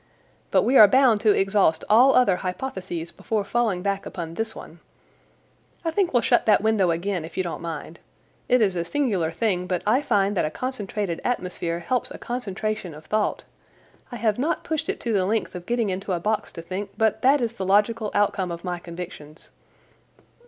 But we are bound to exhaust all other hypotheses before falling back upon this one. I think we'll shut that window again, if you don't mind. It is a singular thing, but I find that a concentrated atmosphere helps a concentration of thought. I have not pushed it to the length of getting into a box to think, but that is the logical outcome of my convictions.